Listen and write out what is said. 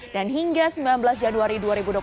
dan hingga sembilan belas januari dua ribu dua puluh